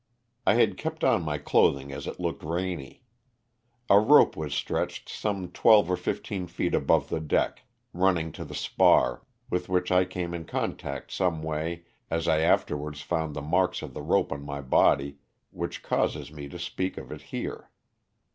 I had kept on my clothing as it looked rainy. A rope was stretched some twelve or fifteen feet above the deck, running to the spar, with which I came in contact some way as I afterwards found the marks of the rope on my body, which causes me to speak of it here.